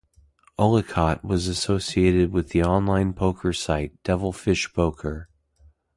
Ulliott was associated with the online poker site Devilfish Poker.